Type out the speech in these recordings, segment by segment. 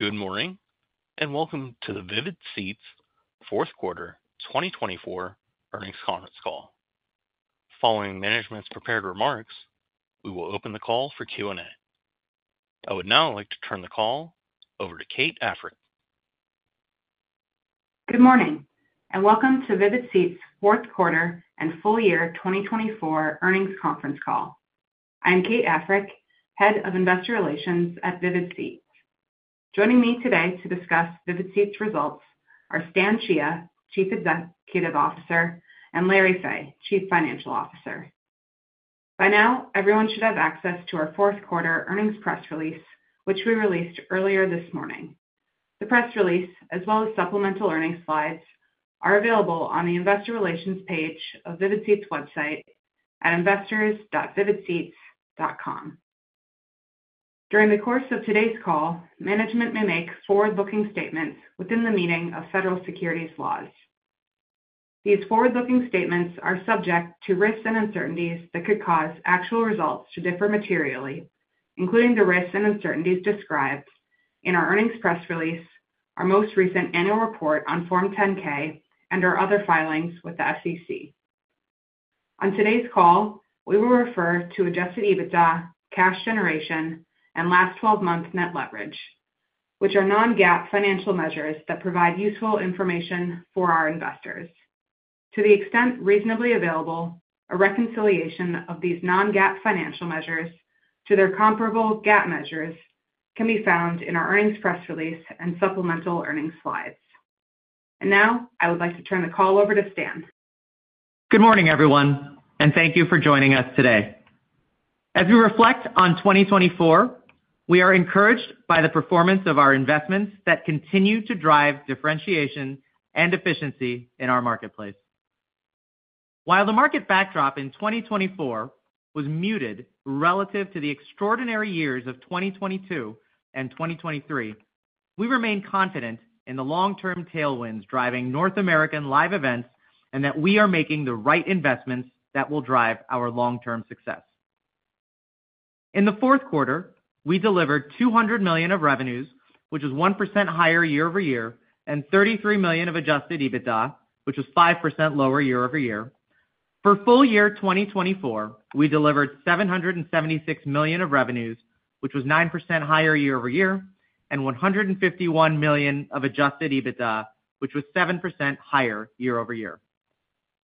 Good morning and welcome to the Vivid Seats Fourth Quarter 2024 Earnings Conference Call. Following management's prepared remarks, we will open the call for Q&A. I would now like to turn the call over to Kate Africk. Good morning and welcome to Vivid Seats Fourth Quarter and Full Year 2024 Earnings Conference Call. I am Kate Africk, Head of Investor Relations at Vivid Seats. Joining me today to discuss Vivid Seats results are Stan Chia, Chief Executive Officer, and Larry Fey, Chief Financial Officer. By now, everyone should have access to our fourth quarter earnings press release, which we released earlier this morning. The press release, as well as supplemental earnings slides, are available on the Investor Relations page of Vivid Seats website at investors.vividseats.com. During the course of today's call, management may make forward-looking statements within the meaning of federal securities laws. These forward-looking statements are subject to risks and uncertainties that could cause actual results to differ materially, including the risks and uncertainties described in our earnings press release, our most recent annual report on Form 10-K, and our other filings with the SEC. On today's call, we will refer to adjusted EBITDA, cash generation, and last 12 months net leverage, which are non-GAAP financial measures that provide useful information for our investors. To the extent reasonably available, a reconciliation of these non-GAAP financial measures to their comparable GAAP measures can be found in our earnings press release and supplemental earnings slides. I would like to turn the call over to Stan. Good morning, everyone, and thank you for joining us today. As we reflect on 2024, we are encouraged by the performance of our investments that continue to drive differentiation and efficiency in our marketplace. While the market backdrop in 2024 was muted relative to the extraordinary years of 2022 and 2023, we remain confident in the long-term tailwinds driving North American live events and that we are making the right investments that will drive our long-term success. In the fourth quarter, we delivered $200 million of revenues, which was 1% higher year-over-year, and $33 million of adjusted EBITDA, which was 5% lower year-over-year. For full year 2024, we delivered $776 million of revenues, which was 9% higher year-over-year, and $151 million of adjusted EBITDA, which was 7% higher year-over-year.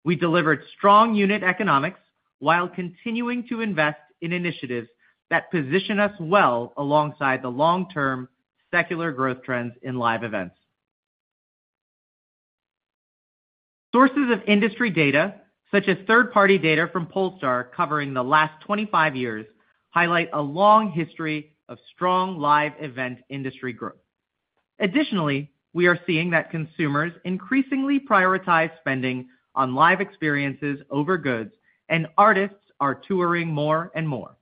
We delivered strong unit economics while continuing to invest in initiatives that position us well alongside the long-term secular growth trends in live events. Sources of industry data, such as third-party data from Pollstar covering the last 25 years, highlight a long history of strong live event industry growth. Additionally, we are seeing that consumers increasingly prioritize spending on live experiences over goods, and artists are touring more and more.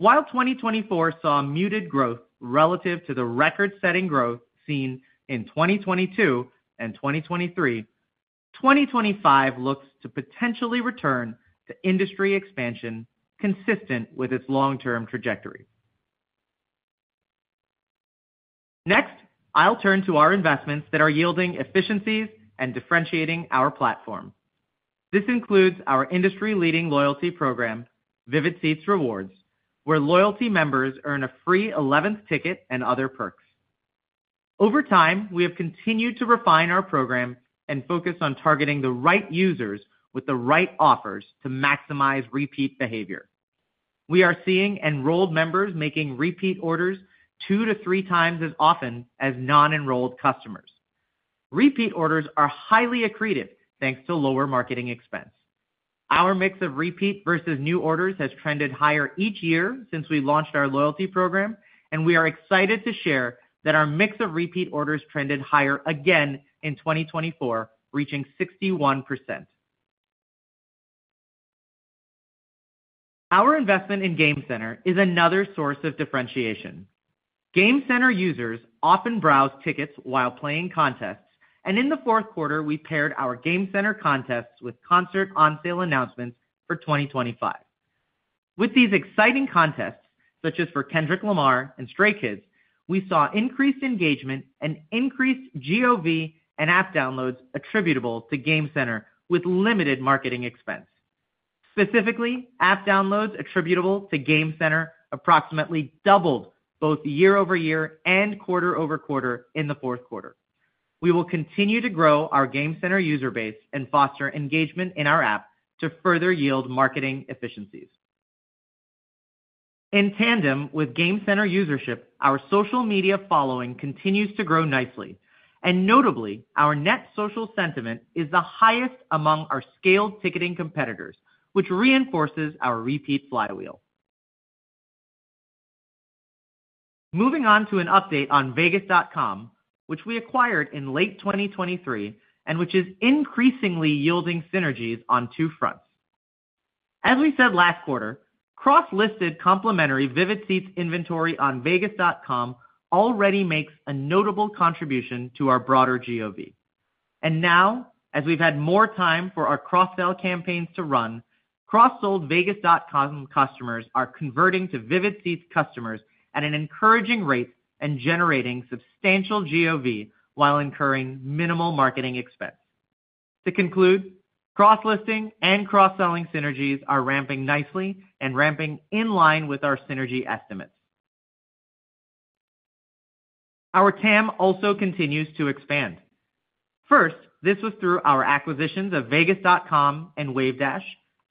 While 2024 saw muted growth relative to the record-setting growth seen in 2022 and 2023, 2025 looks to potentially return to industry expansion consistent with its long-term trajectory. Next, I will turn to our investments that are yielding efficiencies and differentiating our platform. This includes our industry-leading loyalty program, Vivid Seats Rewards, where loyalty members earn a free 11th ticket and other perks. Over time, we have continued to refine our program and focus on targeting the right users with the right offers to maximize repeat behavior. We are seeing enrolled members making repeat orders two to three times as often as non-enrolled customers. Repeat orders are highly accretive thanks to lower marketing expense. Our mix of repeat versus new orders has trended higher each year since we launched our loyalty program, and we are excited to share that our mix of repeat orders trended higher again in 2024, reaching 61%. Our investment in Game Center is another source of differentiation. Game Center users often browse tickets while playing contests, and in the fourth quarter, we paired our Game Center contests with concert on-sale announcements for 2025. With these exciting contests, such as for Kendrick Lamar and Stray Kids, we saw increased engagement and increased GOV and app downloads attributable to Game Center with limited marketing expense. Specifically, app downloads attributable to Game Center approximately doubled both year-over-year and quarter-over-quarter in the fourth quarter. We will continue to grow our Game Center user base and foster engagement in our app to further yield marketing efficiencies. In tandem with Game Center usership, our social media following continues to grow nicely, and notably, our net social sentiment is the highest among our scaled ticketing competitors, which reinforces our repeat flywheel. Moving on to an update on Vegas.com, which we acquired in late 2023 and which is increasingly yielding synergies on two fronts. As we said last quarter, cross-listed complimentary Vivid Seats inventory on Vegas.com already makes a notable contribution to our broader GOV. As we've had more time for our cross-sell campaigns to run, cross-sold Vegas.com customers are converting to Vivid Seats customers at an encouraging rate and generating substantial GOV while incurring minimal marketing expense. To conclude, cross-listing and cross-selling synergies are ramping nicely and ramping in line with our synergy estimates. Our TAM also continues to expand. First, this was through our acquisitions of Vegas.com and Wavedash,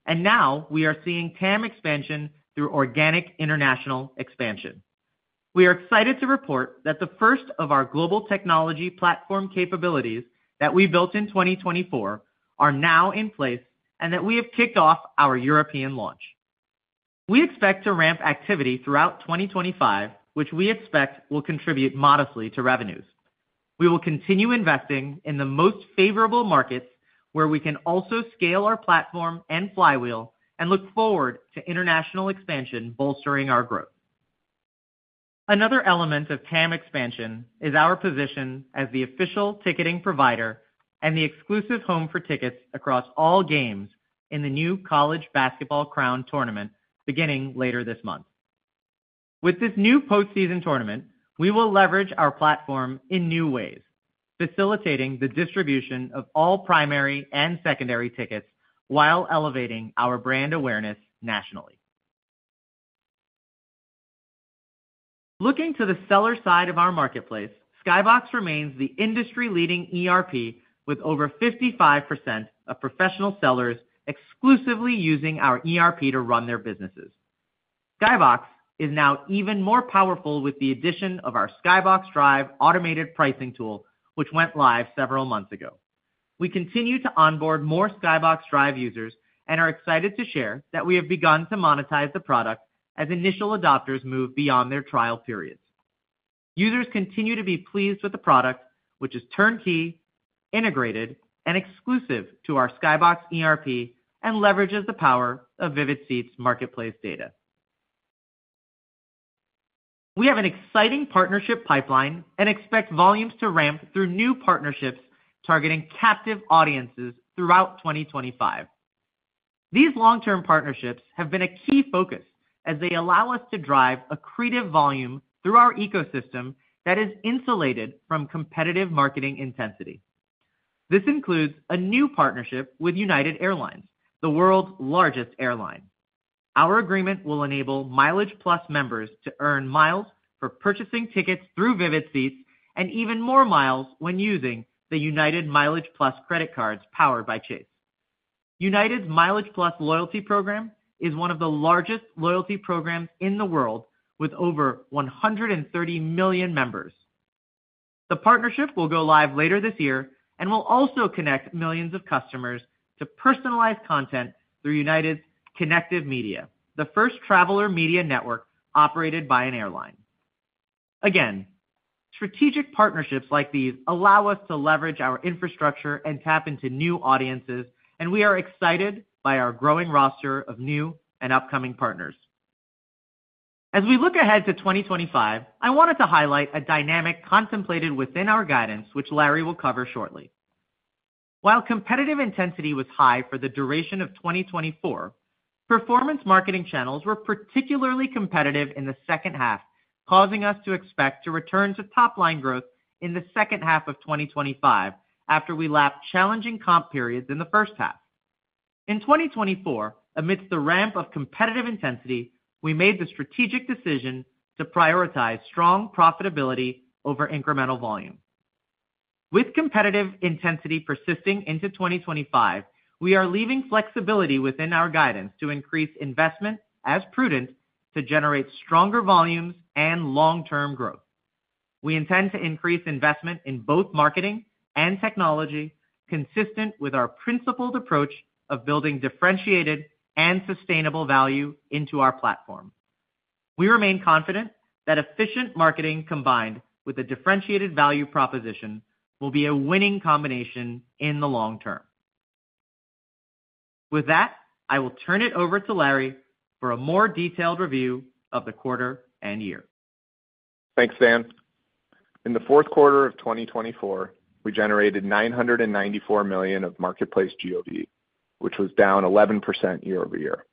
and now we are seeing TAM expansion through organic international expansion. We are excited to report that the first of our global technology platform capabilities that we built in 2024 are now in place and that we have kicked off our European launch. We expect to ramp activity throughout 2025, which we expect will contribute modestly to revenues. We will continue investing in the most favorable markets where we can also scale our platform and flywheel and look forward to international expansion bolstering our growth. Another element of TAM expansion is our position as the official ticketing provider and the exclusive home for tickets across all games in the new College Basketball Crown tournament beginning later this month. With this new post-season tournament, we will leverage our platform in new ways, facilitating the distribution of all primary and secondary tickets while elevating our brand awareness nationally. Looking to the seller side of our marketplace, SkyBox remains the industry-leading ERP with over 55% of professional sellers exclusively using our ERP to run their businesses. SkyBox is now even more powerful with the addition of our SkyBox Drive automated pricing tool, which went live several months ago. We continue to onboard more SkyBox Drive users and are excited to share that we have begun to monetize the product as initial adopters move beyond their trial periods. Users continue to be pleased with the product, which is turnkey, integrated, and exclusive to our SkyBox ERP and leverages the power of Vivid Seats marketplace data. We have an exciting partnership pipeline and expect volumes to ramp through new partnerships targeting captive audiences throughout 2025. These long-term partnerships have been a key focus as they allow us to drive accretive volume through our ecosystem that is insulated from competitive marketing intensity. This includes a new partnership with United Airlines, the world's largest airline. Our agreement will enable MileagePlus members to earn miles for purchasing tickets through Vivid Seats and even more miles when using the United MileagePlus credit cards powered by Chase. United's MileagePlus loyalty program is one of the largest loyalty programs in the world with over 130 million members. The partnership will go live later this year and will also connect millions of customers to personalized content through United's Kinective Media, the first traveler media network operated by an airline. Again, strategic partnerships like these allow us to leverage our infrastructure and tap into new audiences, and we are excited by our growing roster of new and upcoming partners. As we look ahead to 2025, I wanted to highlight a dynamic contemplated within our guidance, which Larry will cover shortly. While competitive intensity was high for the duration of 2024, performance marketing channels were particularly competitive in the second half, causing us to expect to return to top-line growth in the second half of 2025 after we lapped challenging comp periods in the first half. In 2024, amidst the ramp of competitive intensity, we made the strategic decision to prioritize strong profitability over incremental volume. With competitive intensity persisting into 2025, we are leaving flexibility within our guidance to increase investment as prudent to generate stronger volumes and long-term growth. We intend to increase investment in both marketing and technology, consistent with our principled approach of building differentiated and sustainable value into our platform. We remain confident that efficient marketing combined with a differentiated value proposition will be a winning combination in the long term. With that, I will turn it over to Larry for a more detailed review of the quarter and year. Thanks, Stan. In the fourth quarter of 2024, we generated $994 million of marketplace GOV, which was down 11% year-over-year.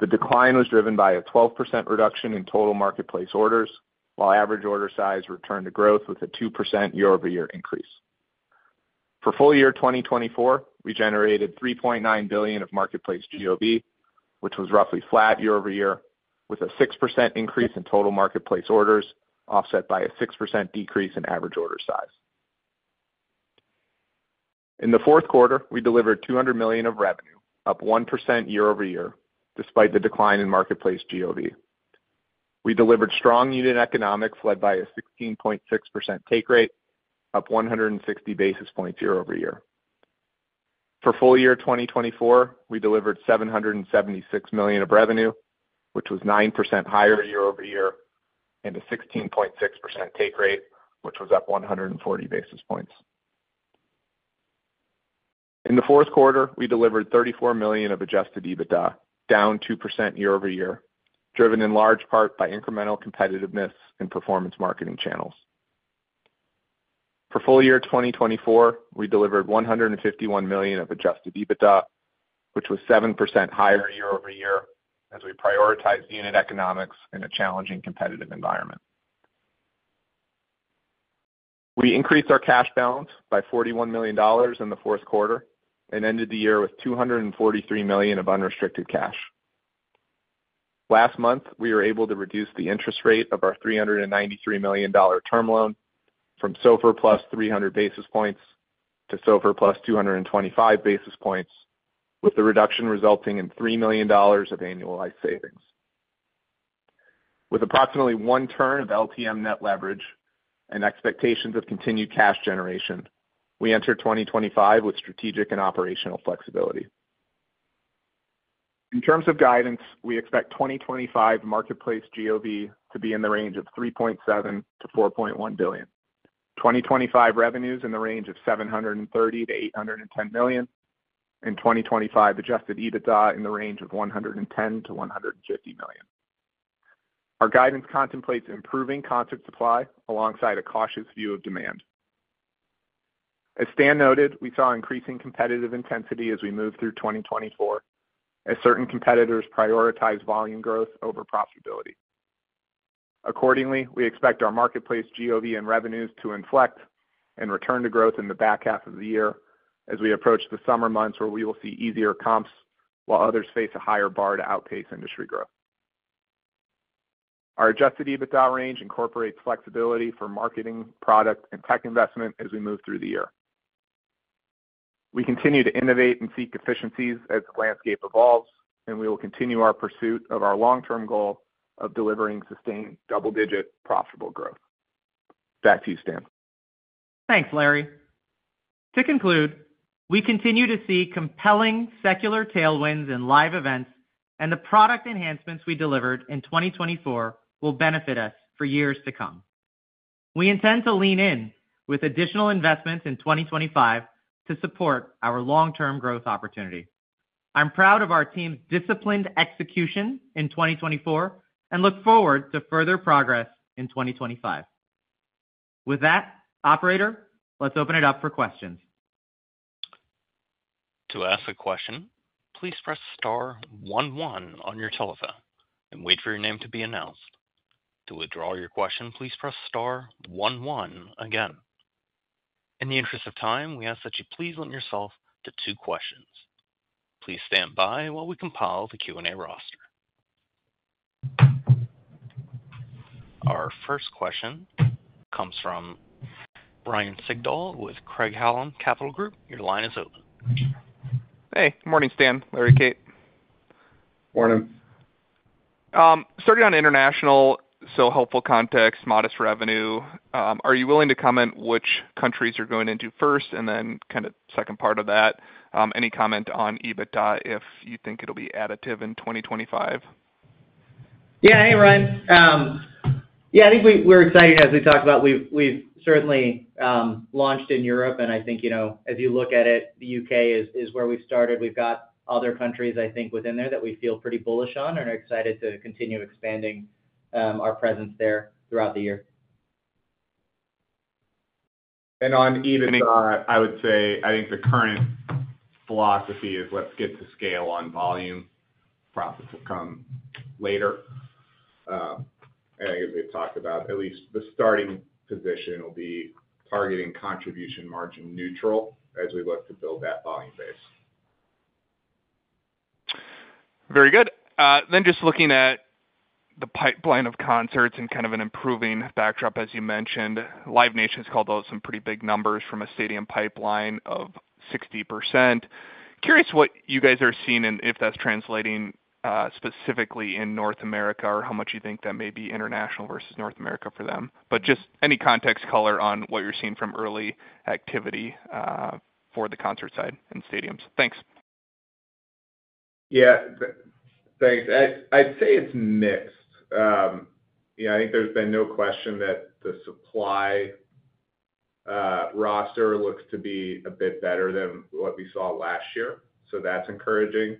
The decline was driven by a 12% reduction in total marketplace orders, while average order size returned to growth with a 2% year-over-year increase. For full year 2024, we generated $3.9 billion of marketplace GOV, which was roughly flat year-over-year, with a 6% increase in total marketplace orders offset by a 6% decrease in average order size. In the fourth quarter, we delivered $200 million of revenue, up 1% year-over-year, despite the decline in marketplace GOV. We delivered strong unit economics led by a 16.6% take rate, up 160 basis points year-over-year. For full year 2024, we delivered $776 million of revenue, which was 9% higher year-over-year, and a 16.6% take rate, which was up 140 basis points. In the fourth quarter, we delivered $34 million of adjusted EBITDA, down 2% year-over-year, driven in large part by incremental competitiveness and performance marketing channels. For full year 2024, we delivered $151 million of adjusted EBITDA, which was 7% higher year-over-year as we prioritized unit economics in a challenging competitive environment. We increased our cash balance by $41 million in the fourth quarter and ended the year with $243 million of unrestricted cash. Last month, we were able to reduce the interest rate of our $393 million term loan from SOFR plus 300 basis points to SOFR plus 225 basis points, with the reduction resulting in $3 million of annualized savings. With approximately one turn of LTM net leverage and expectations of continued cash generation, we enter 2025 with strategic and operational flexibility. In terms of guidance, we expect 2025 marketplace GOV to be in the range of $3.7 billion-$4.1 billion, 2025 revenues in the range of $730 million-$810 million, and 2025 adjusted EBITDA in the range of $110 million-$150 million. Our guidance contemplates improving concert supply alongside a cautious view of demand. As Stan noted, we saw increasing competitive intensity as we moved through 2024, as certain competitors prioritized volume growth over profitability. Accordingly, we expect our marketplace GOV and revenues to inflect and return to growth in the back half of the year as we approach the summer months where we will see easier comps while others face a higher bar to outpace industry growth. Our adjusted EBITDA range incorporates flexibility for marketing, product, and tech investment as we move through the year. We continue to innovate and seek efficiencies as the landscape evolves, and we will continue our pursuit of our long-term goal of delivering sustained double-digit profitable growth. Back to you, Stan. Thanks, Larry. To conclude, we continue to see compelling secular tailwinds in live events, and the product enhancements we delivered in 2024 will benefit us for years to come. We intend to lean in with additional investments in 2025 to support our long-term growth opportunity. I'm proud of our team's disciplined execution in 2024 and look forward to further progress in 2025. With that, operator, let's open it up for questions. To ask a question, please press star one one on your telephone and wait for your name to be announced. To withdraw your question, please press star one one again. In the interest of time, we ask that you please limit yourself to two questions. Please stand by while we compile the Q&A roster. Our first question comes from Ryan Sigdahl with Craig-Hallum Capital Group. Your line is open. Hey, good morning, Stan, Larry, Kate. Morning. Starting on international, so helpful context, modest revenue. Are you willing to comment which countries you're going into first and then kind of second part of that? Any comment on EBITDA if you think it'll be additive in 2025? Yeah, hey, Ryan. Yeah, I think we're excited as we talk about we've certainly launched in Europe, and I think as you look at it, the U.K. is where we've started. We've got other countries, I think, within there that we feel pretty bullish on and are excited to continue expanding our presence there throughout the year. On EBITDA, I would say I think the current philosophy is let's get to scale on volume. Profits will come later. I guess we had talked about at least the starting position will be targeting contribution margin neutral as we look to build that volume base. Very good. Just looking at the pipeline of concerts and kind of an improving backdrop, as you mentioned, Live Nation has called out some pretty big numbers from a stadium pipeline of 60%. Curious what you guys are seeing and if that's translating specifically in North America or how much you think that may be international versus North America for them. Just any context color on what you're seeing from early activity for the concert side and stadiums. Thanks. Yeah, thanks. I'd say it's mixed. I think there's been no question that the supply roster looks to be a bit better than what we saw last year. That's encouraging.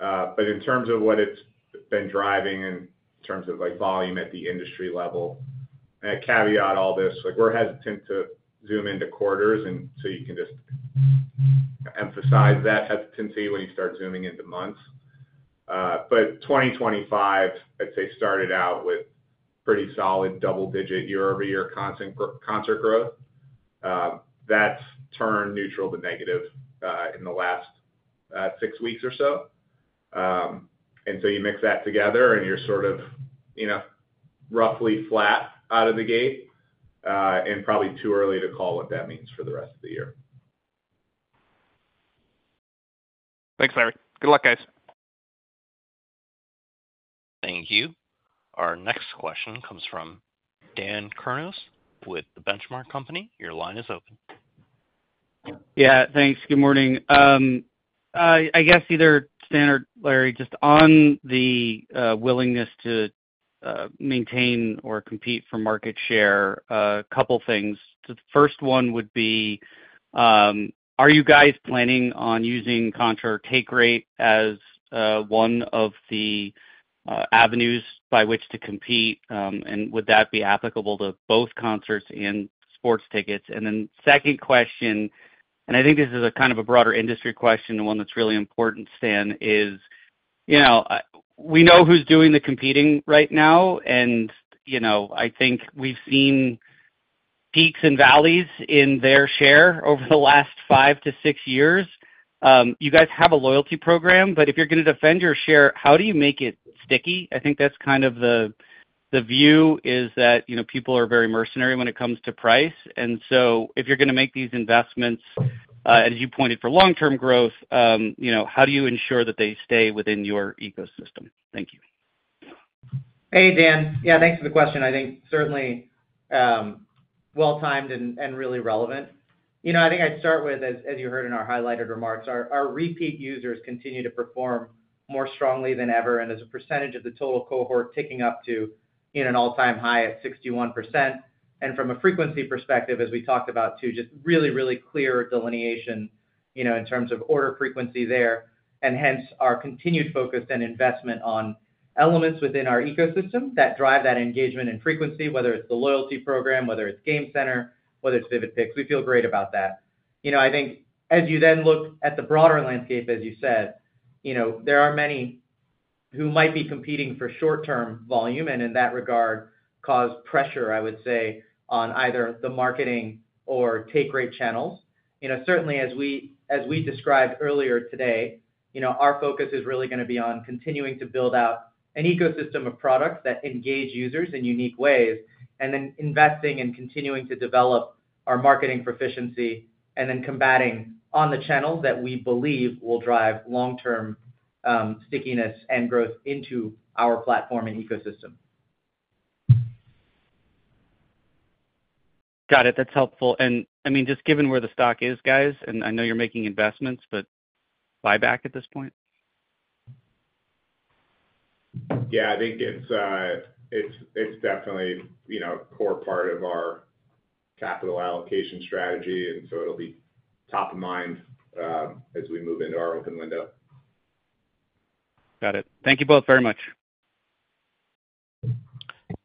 In terms of what it's been driving in terms of volume at the industry level, I caveat all this. We're hesitant to zoom into quarters, and you can just emphasize that hesitancy when you start zooming into months. 2025, I'd say, started out with pretty solid double-digit year-over-year concert growth. That's turned neutral to negative in the last six weeks or so. You mix that together and you're sort of roughly flat out of the gate and probably too early to call what that means for the rest of the year. Thanks, Larry. Good luck, guys. Thank you. Our next question comes from Dan Kurnos with the Benchmark Company. Your line is open. Yeah, thanks. Good morning. I guess either Stan or Larry, just on the willingness to maintain or compete for market share, a couple of things. The first one would be, are you guys planning on using concert take rate as one of the avenues by which to compete? And would that be applicable to both concerts and sports tickets? The second question, and I think this is a kind of a broader industry question and one that's really important, Stan, is we know who's doing the competing right now, and I think we've seen peaks and valleys in their share over the last five to six years. You guys have a loyalty program, but if you're going to defend your share, how do you make it sticky? I think that's kind of the view is that people are very mercenary when it comes to price. If you're going to make these investments, as you pointed for long-term growth, how do you ensure that they stay within your ecosystem? Thank you. Hey, Dan. Yeah, thanks for the question. I think certainly well-timed and really relevant. I think I'd start with, as you heard in our highlighted remarks, our repeat users continue to perform more strongly than ever, and there's a percentage of the total cohort ticking up to an all-time high at 61%. From a frequency perspective, as we talked about, too, just really, really clear delineation in terms of order frequency there. Hence our continued focus and investment on elements within our ecosystem that drive that engagement and frequency, whether it's the loyalty program, whether it's Game Center, whether it's Vivid Picks. We feel great about that. I think as you then look at the broader landscape, as you said, there are many who might be competing for short-term volume and in that regard cause pressure, I would say, on either the marketing or take rate channels. Certainly, as we described earlier today, our focus is really going to be on continuing to build out an ecosystem of products that engage users in unique ways and then investing and continuing to develop our marketing proficiency and then combating on the channels that we believe will drive long-term stickiness and growth into our platform and ecosystem. Got it. That's helpful. I mean, just given where the stock is, guys, and I know you're making investments, but buyback at this point? Yeah, I think it's definitely a core part of our capital allocation strategy, and so it'll be top of mind as we move into our open window. Got it. Thank you both very much.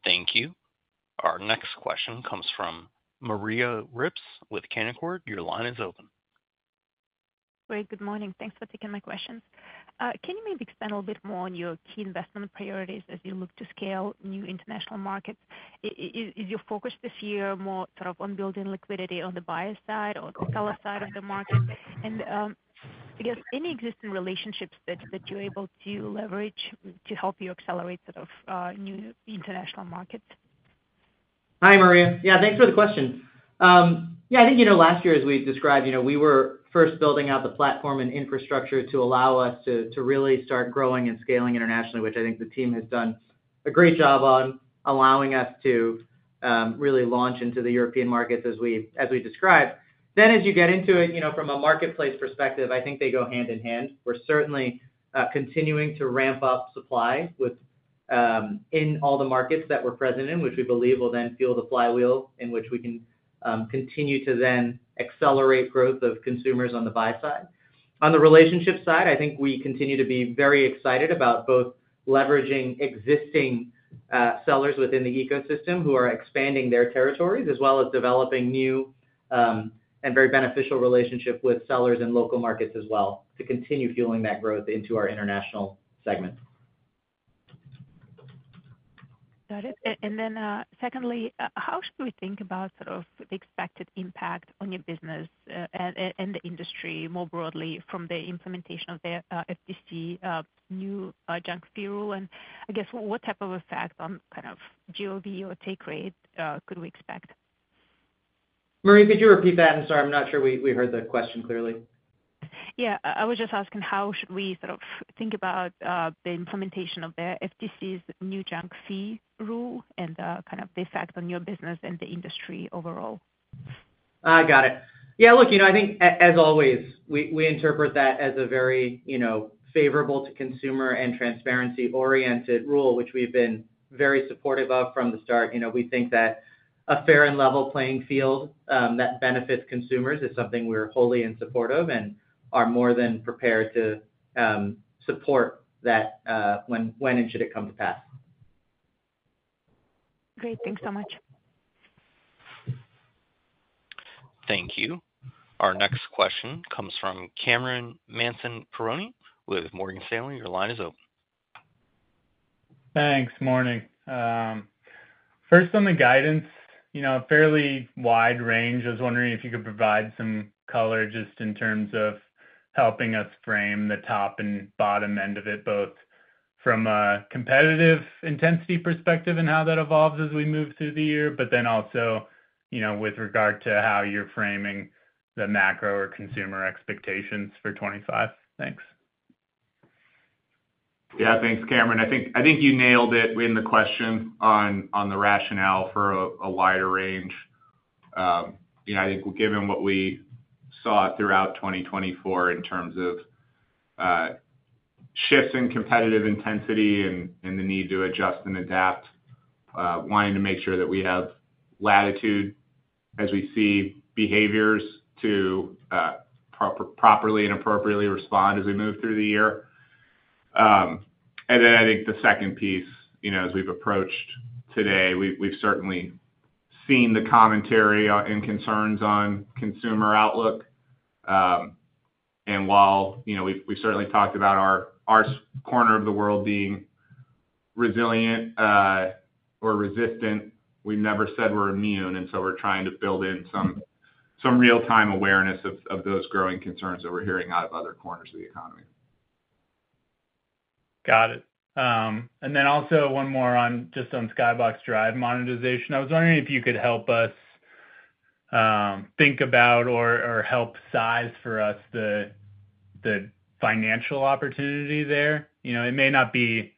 Thank you. Our next question comes from Maria Ripps with Canaccord. Your line is open. Great. Good morning. Thanks for taking my questions. Can you maybe expand a little bit more on your key investment priorities as you look to scale new international markets? Is your focus this year more sort of on building liquidity on the buyer side or the seller side of the market? I guess any existing relationships that you're able to leverage to help you accelerate sort of new international markets? Hi, Maria. Yeah, thanks for the question. I think last year, as we described, we were first building out the platform and infrastructure to allow us to really start growing and scaling internationally, which I think the team has done a great job on allowing us to really launch into the European markets as we described. As you get into it from a marketplace perspective, I think they go hand in hand. We're certainly continuing to ramp up supply in all the markets that we're present in, which we believe will then fuel the flywheel in which we can continue to then accelerate growth of consumers on the buy side. On the relationship side, I think we continue to be very excited about both leveraging existing sellers within the ecosystem who are expanding their territories as well as developing new and very beneficial relationships with sellers in local markets as well to continue fueling that growth into our international segment. Got it. Then secondly, how should we think about sort of the expected impact on your business and the industry more broadly from the implementation of the FTC new junk fee rule? I guess what type of effect on kind of GOV or take rate could we expect? Maria, could you repeat that? I'm sorry, I'm not sure we heard the question clearly. Yeah, I was just asking how should we sort of think about the implementation of the FTC's new junk fee rule and kind of the effect on your business and the industry overall? Got it. Yeah, look, I think as always, we interpret that as a very favorable to consumer and transparency-oriented rule, which we've been very supportive of from the start. We think that a fair and level playing field that benefits consumers is something we're wholly in support of and are more than prepared to support that when and should it come to pass. Great. Thanks so much. Thank you. Our next question comes from Cameron Mansson-Perrone with Morgan Stanley. Your line is open. Thanks. Morning. First, on the guidance, a fairly wide range. I was wondering if you could provide some color just in terms of helping us frame the top and bottom end of it, both from a competitive intensity perspective and how that evolves as we move through the year, but then also with regard to how you're framing the macro or consumer expectations for 2025. Thanks. Yeah, thanks, Cameron. I think you nailed it in the question on the rationale for a wider range. I think given what we saw throughout 2024 in terms of shifts in competitive intensity and the need to adjust and adapt, wanting to make sure that we have latitude as we see behaviors to properly and appropriately respond as we move through the year. I think the second piece, as we've approached today, we've certainly seen the commentary and concerns on consumer outlook. While we've certainly talked about our corner of the world being resilient or resistant, we've never said we're immune. We're trying to build in some real-time awareness of those growing concerns that we're hearing out of other corners of the economy. Got it. Also, one more on just on SkyBox Drive monetization. I was wondering if you could help us think about or help size for us the financial opportunity there. It may not be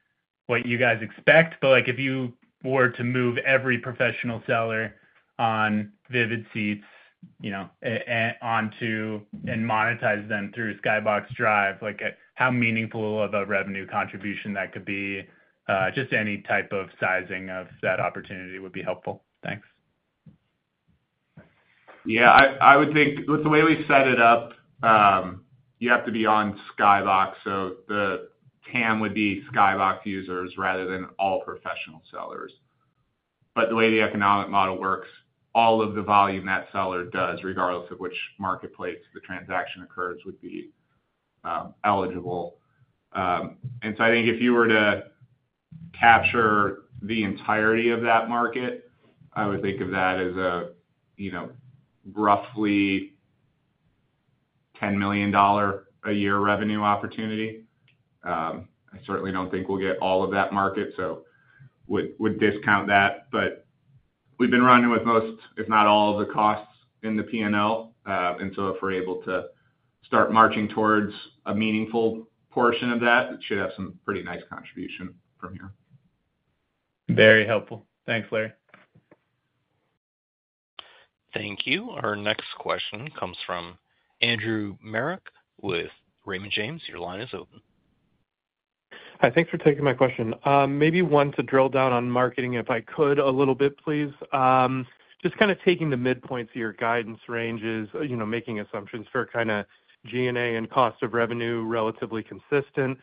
what you guys expect, but if you were to move every professional seller on Vivid Seats onto and monetize them through SkyBox Drive, how meaningful of a revenue contribution that could be? Just any type of sizing of that opportunity would be helpful. Thanks. Yeah, I would think with the way we set it up, you have to be on SkyBox. So the TAM would be SkyBox users rather than all professional sellers. The way the economic model works, all of the volume that seller does, regardless of which marketplace the transaction occurs, would be eligible. If you were to capture the entirety of that market, I would think of that as a roughly $10 million a year revenue opportunity. I certainly do not think we will get all of that market, so we would discount that. We have been running with most, if not all, of the costs in the P&L. If we are able to start marching towards a meaningful portion of that, it should have some pretty nice contribution from here. Very helpful. Thanks, Larry. Thank you. Our next question comes from Andrew Marok with Raymond James. Your line is open. Hi, thanks for taking my question. Maybe one to drill down on marketing, if I could, a little bit, please. Just kind of taking the midpoint to your guidance ranges, making assumptions for kind of G&A and cost of revenue relatively consistent.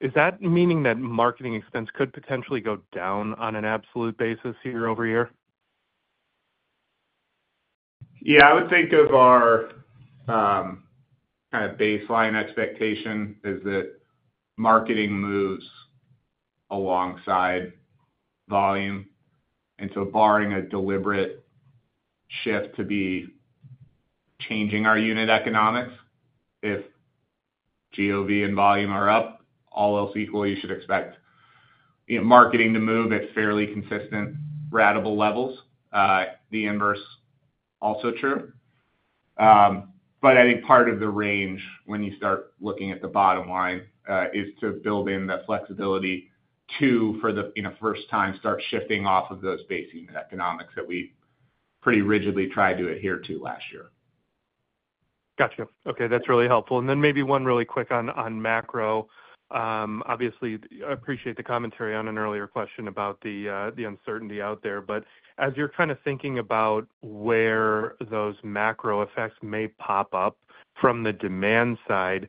Is that meaning that marketing expense could potentially go down on an absolute basis year-over-year? Yeah, I would think of our kind of baseline expectation is that marketing moves alongside volume. Barring a deliberate shift to be changing our unit economics, if GOV and volume are up, all else equal, you should expect marketing to move at fairly consistent ratable levels. The inverse is also true. I think part of the range when you start looking at the bottom line is to build in that flexibility to, for the first time, start shifting off of those basic economics that we pretty rigidly tried to adhere to last year. Gotcha. Okay. That's really helpful. Maybe one really quick on macro. Obviously, I appreciate the commentary on an earlier question about the uncertainty out there. As you're kind of thinking about where those macro effects may pop up from the demand side,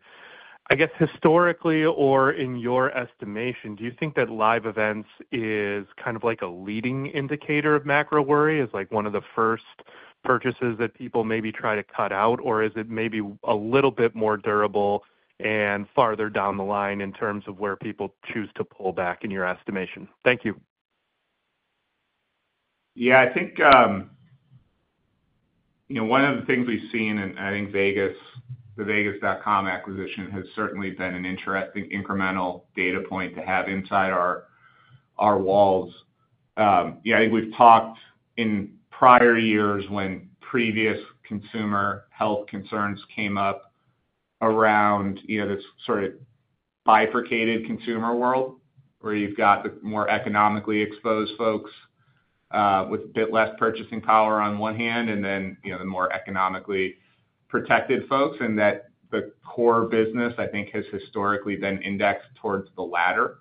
I guess historically or in your estimation, do you think that live events is kind of like a leading indicator of macro worry as one of the first purchases that people maybe try to cut out, or is it maybe a little bit more durable and farther down the line in terms of where people choose to pull back in your estimation? Thank you. Yeah, I think one of the things we've seen, and I think the Vegas.com acquisition has certainly been an interesting incremental data point to have inside our walls. I think we've talked in prior years when previous consumer health concerns came up around this sort of bifurcated consumer world where you've got the more economically exposed folks with a bit less purchasing power on one hand and then the more economically protected folks, and that the core business, I think, has historically been indexed towards the latter.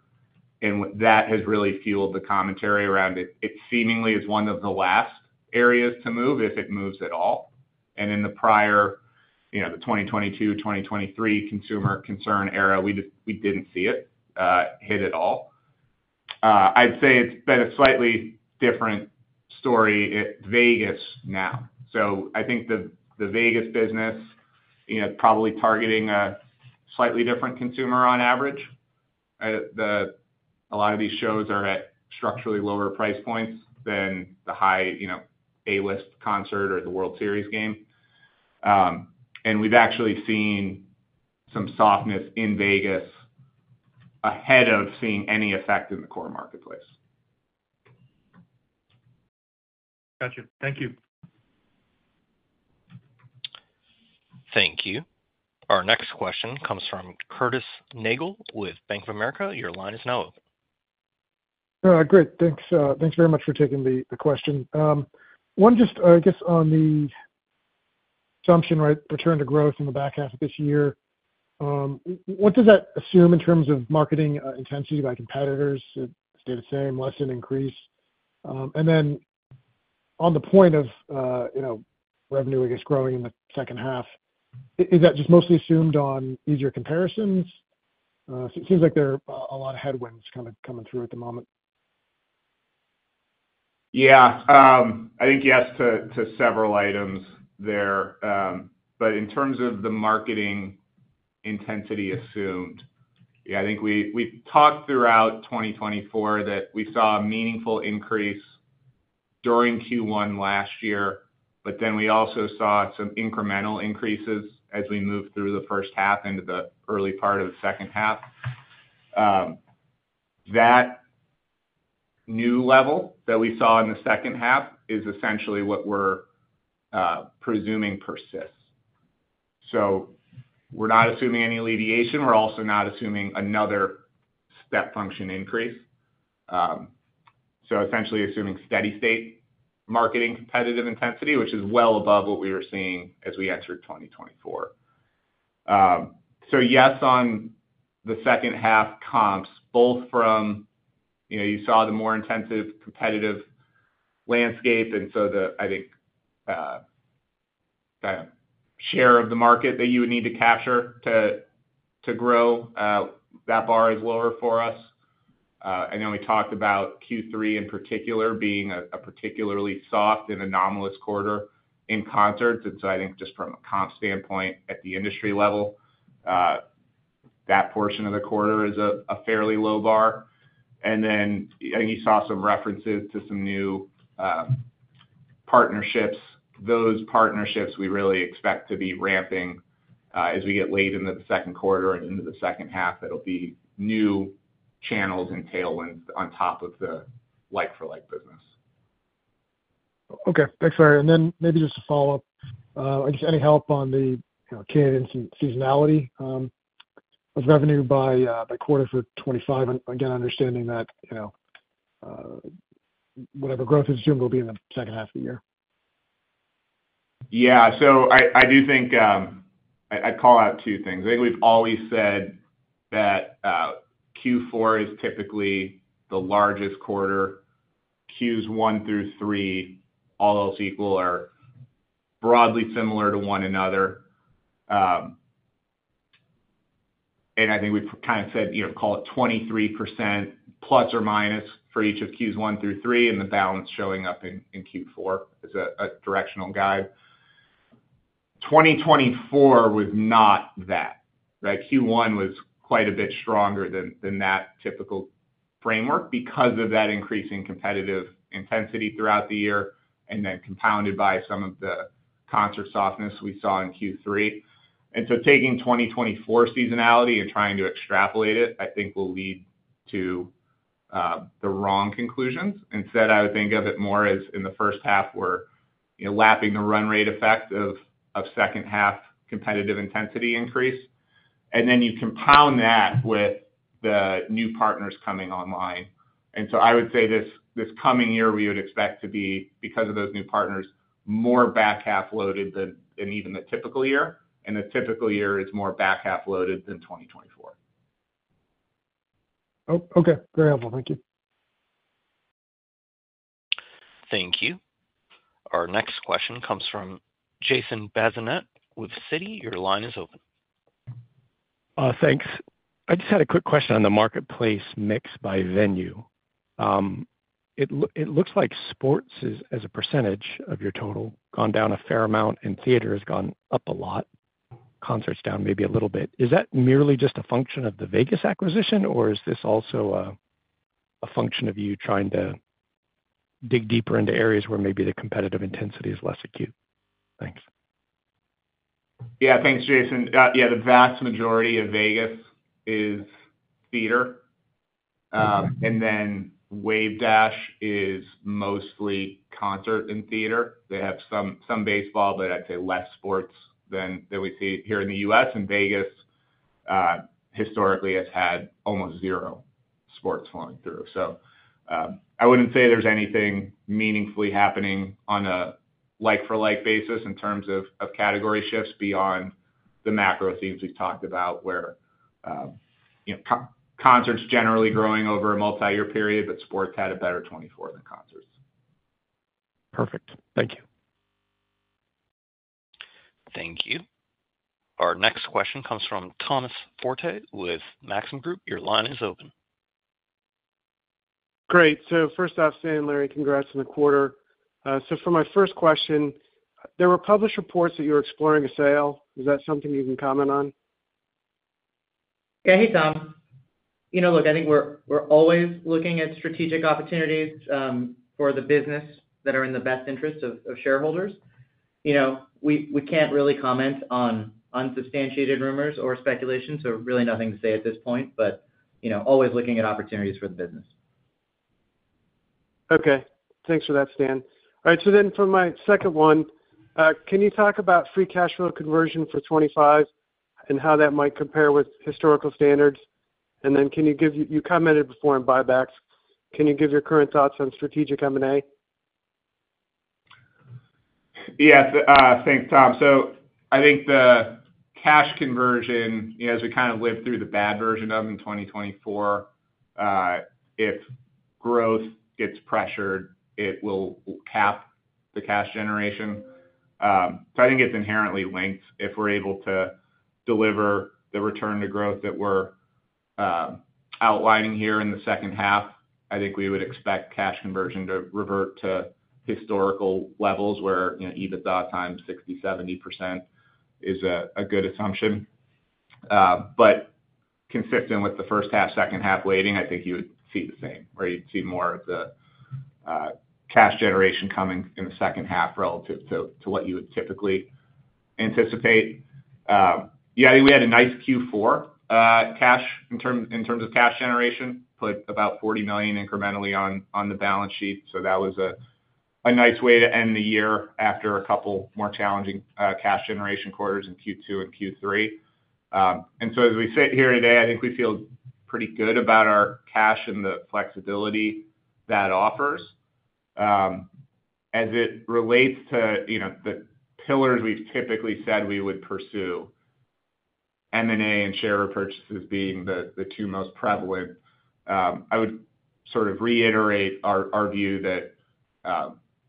That has really fueled the commentary around it seemingly as one of the last areas to move if it moves at all. In the prior, the 2022, 2023 consumer concern era, we didn't see it hit at all. I'd say it's been a slightly different story at Vegas now. I think the Vegas business is probably targeting a slightly different consumer on average. A lot of these shows are at structurally lower price points than the high A-list concert or the World Series game. We've actually seen some softness in Vegas ahead of seeing any effect in the core marketplace. Gotcha. Thank you. Thank you. Our next question comes from Curtis Nagle with Bank of America. Your line is now open. Great. Thanks very much for taking the question. One, just I guess on the assumption, right, return to growth in the back half of this year, what does that assume in terms of marketing intensity by competitors? Stay the same, lessen, increase? On the point of revenue, I guess, growing in the second half, is that just mostly assumed on easier comparisons? It seems like there are a lot of headwinds kind of coming through at the moment. Yeah. I think yes to several items there. In terms of the marketing intensity assumed, yeah, I think we talked throughout 2024 that we saw a meaningful increase during Q1 last year, but then we also saw some incremental increases as we moved through the first half into the early part of the second half. That new level that we saw in the second half is essentially what we are presuming persists. We are not assuming any alleviation. We are also not assuming another step function increase. Essentially assuming steady-state marketing competitive intensity, which is well above what we were seeing as we entered 2024. Yes, on the second half comps, both from you saw the more intensive competitive landscape. I think the share of the market that you would need to capture to grow, that bar is lower for us. We talked about Q3 in particular being a particularly soft and anomalous quarter in concerts. I think just from a comp standpoint at the industry level, that portion of the quarter is a fairly low bar. You saw some references to some new partnerships. Those partnerships we really expect to be ramping as we get late into the second quarter and into the second half. It'll be new channels and tailwinds on top of the like-for-like business. Okay. Thanks, Larry. Maybe just to follow up, I guess any help on the cadence and seasonality of revenue by quarter for 2025, again, understanding that whatever growth is assumed will be in the second half of the year. Yeah. I do think I call out two things. I think we've always said that Q4 is typically the largest quarter. Qs 1 through 3, all else equal, are broadly similar to one another. I think we've kind of said, call it 23%± for each of Qs 1 through 3, and the balance showing up in Q4 as a directional guide. 2024 was not that, right? Q1 was quite a bit stronger than that typical framework because of that increasing competitive intensity throughout the year and then compounded by some of the concert softness we saw in Q3. Taking 2024 seasonality and trying to extrapolate it, I think will lead to the wrong conclusions. Instead, I would think of it more as in the first half, we're lapping the run rate effect of second half competitive intensity increase. You compound that with the new partners coming online. I would say this coming year, we would expect to be, because of those new partners, more back half loaded than even the typical year. The typical year is more back half loaded than 2024. Okay. Very helpful. Thank you. Thank you. Our next question comes from Jason Bazinet with Citi. Your line is open. Thanks. I just had a quick question on the marketplace mix by venue. It looks like sports has as a percentage of your total gone down a fair amount, and theater has gone up a lot, concerts down maybe a little bit. Is that merely just a function of the Vegas.com acquisition, or is this also a function of you trying to dig deeper into areas where maybe the competitive intensity is less acute? Thanks. Yeah. Thanks, Jason. Yeah, the vast majority of Vegas is theater. And then Wavedash is mostly concert and theater. They have some baseball, but I'd say less sports than we see here in the U.S. And Vegas historically has had almost zero sports flowing through. So I wouldn't say there's anything meaningfully happening on a like-for-like basis in terms of category shifts beyond the macro themes we've talked about, where concerts generally growing over a multi-year period, but sports had a better 2024 than concerts. Perfect. Thank you. Thank you. Our next question comes from Thomas Forte with Maxim Group. Your line is open. Great. First off, Larry, congrats on the quarter. For my first question, there were published reports that you were exploring a sale. Is that something you can comment on? Yeah, hey, Tom. Look, I think we're always looking at strategic opportunities for the business that are in the best interest of shareholders. We can't really comment on unsubstantiated rumors or speculation. Really nothing to say at this point, but always looking at opportunities for the business. Okay. Thanks for that, Stan. All right. For my second one, can you talk about free cash flow conversion for 2025 and how that might compare with historical standards? You commented before on buybacks. Can you give your current thoughts on strategic M&A? Yes. Thanks, Tom. I think the cash conversion, as we kind of lived through the bad version of in 2024, if growth gets pressured, it will cap the cash generation. I think it's inherently linked. If we're able to deliver the return to growth that we're outlining here in the second half, I think we would expect cash conversion to revert to historical levels where EBITDA times 60%-70% is a good assumption. Consistent with the first half, second half waiting, I think you would see the same, where you'd see more of the cash generation coming in the second half relative to what you would typically anticipate. I think we had a nice Q4 cash in terms of cash generation, put about $40 million incrementally on the balance sheet. That was a nice way to end the year after a couple more challenging cash generation quarters in Q2 and Q3. As we sit here today, I think we feel pretty good about our cash and the flexibility that offers as it relates to the pillars we've typically said we would pursue, M&A and share purchases being the two most prevalent. I would sort of reiterate our view that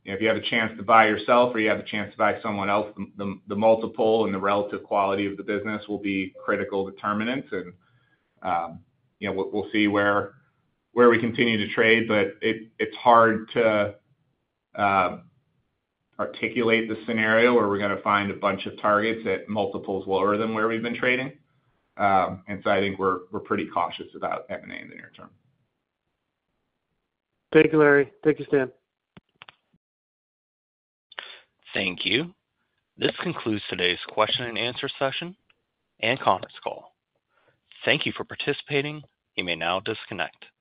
if you have a chance to buy yourself or you have a chance to buy someone else, the multiple and the relative quality of the business will be critical determinants. We'll see where we continue to trade. It's hard to articulate the scenario where we're going to find a bunch of targets at multiples lower than where we've been trading. I think we're pretty cautious about M&A in the near term. Thank you, Larry. Thank you, Stan. Thank you. This concludes today's question and answer session and conference call. Thank you for participating. You may now disconnect.